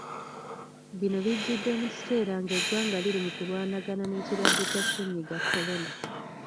Bino bijjidde mu kiseera ng’eggwanga liri mu kulwanagana n’ekirwadde kya Ssennyiga kolona.